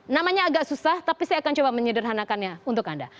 namanya agak susah tapi saya akan coba menyederhanakannya untuk anda